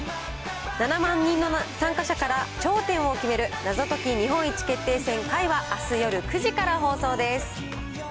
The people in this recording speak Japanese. ７万人の参加者から頂点を決める謎解き日本一決定戦Ｘはあす夜９時から放送です。